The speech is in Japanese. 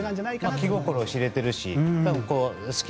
気心知れてるし。